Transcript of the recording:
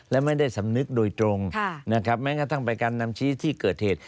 และไม่ได้สำนึกโดยตรงนะครับแม้กระทั่งไปการนำชี้ที่เกิดเหตุ